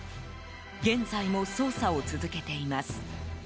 現在も捜査を続けています。